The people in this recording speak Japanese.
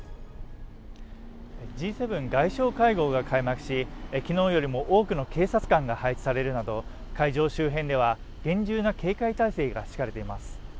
Ｇ７外相会合が開幕し、昨日よりも多くの警察官が配置されるなど会場周辺では厳重な警戒態勢が敷かれています。